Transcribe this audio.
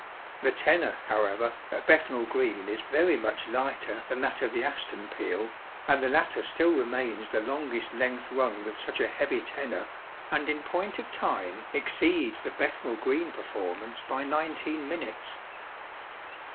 The tenor, however, at Bethnal Green is very much lighter than that of the Aston peal, and the latter still remains the longest length rung with such a heavy tenor, and in point of time exceeds the Bethnal Green performance by nineteen minutes.